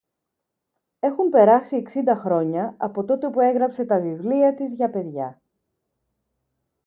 Έχουν περάσει εξήντα χρόνια από τότε που έγραψε τα βιβλία της για παιδιά.